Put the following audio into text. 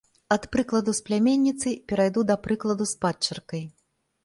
Ад прыкладу з пляменніцай перайду да прыкладу з падчаркай.